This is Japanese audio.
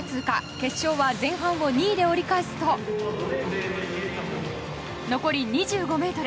決勝は前半を２位で折り返すと残り２５ｍ。